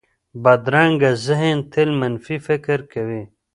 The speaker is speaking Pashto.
بدرنګه ذهن تل منفي فکر کوي